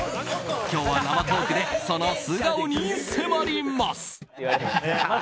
今日は生トークでその素顔に迫ります。